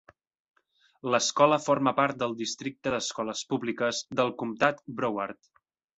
L'escola forma part del districte d'escoles públiques del comtat Broward.